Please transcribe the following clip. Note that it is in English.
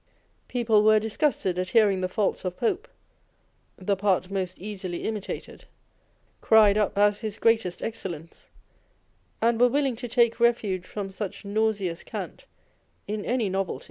People were disgusted at hearing the faults of Pope (the part most easily imitated) cried up as his greatest excellence, and were willing to take refuge from such nauseous cant in any novelty.